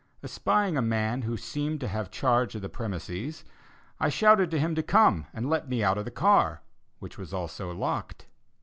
Espying a man who seemed to have charge of the premises, I shouted to him to come and let me out of the car, which was also locked.